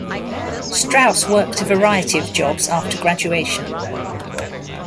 Straus worked a variety of jobs after graduation.